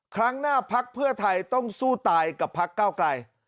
ครั้งหน้าพักเพื่อไทยต้องสู้ตายกับพักเก้าไกล